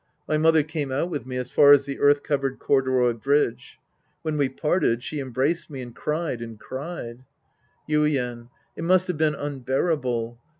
My mother came out with me as far as the earth covered cordyroy bridge. When we parted, she embraced me and cried and cried — Yuien. It must have been unbearable.